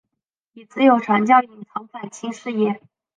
以自由传教隐藏反清事业。